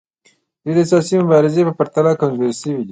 دوی د سیاسي مبارزې په پرتله کمزورې شوي دي